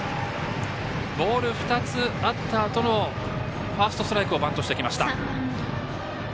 ボール２つ、あったあとのファーストストライクをバントしてきました。